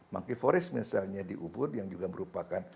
monkey forest misalnya di ubud yang juga merupakan prima donna daya